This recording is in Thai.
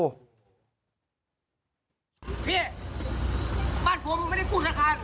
เฮี๊ยบ้านผมมันไม่ได้กุ้นข้าวทาง